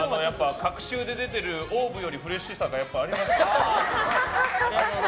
隔週で出てるＯＷＶよりフレッシュさがありますね。